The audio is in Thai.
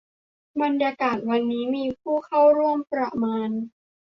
บรรยากาศวันนี้มีผู้เข้าร่วมประมาณ